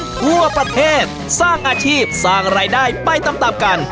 ทั่วประเทศสร้างอาชีพสร้างรายได้ไปตามกัน